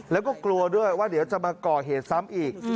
แล้วก็กลัวด้วยว่าเดี๋ยวจะมาก่อเหตุซ้ำอีก